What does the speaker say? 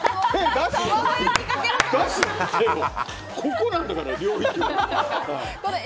ここなんだから、料理は。